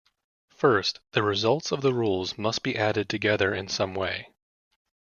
First, the results of the rules must be added together in some way.